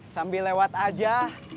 sambil lewat aja